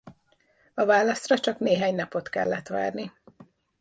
A válaszra csak néhány napot kellett várni.